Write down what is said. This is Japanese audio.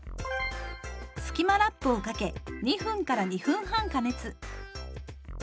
スキマラップをかけ２分から２分半加熱。